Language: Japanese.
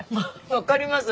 わかります。